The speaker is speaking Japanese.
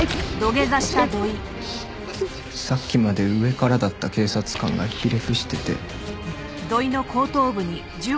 さっきまで上からだった警察官がひれ伏してて。